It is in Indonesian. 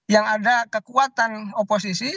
yang ada kekuatan oposisi